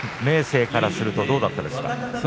明生からするとどうだったですか？